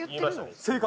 正解！